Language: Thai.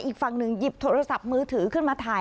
อีกฝั่งหนึ่งหยิบโทรศัพท์มือถือขึ้นมาถ่าย